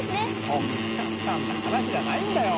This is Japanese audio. そんな簡単な話じゃないんだよ。